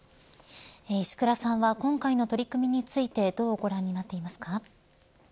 石倉さんは今回の取り組みについてどうご覧になっていますか。